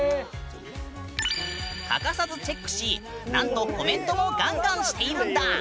欠かさずチェックしなんとコメントもガンガンしているんだ！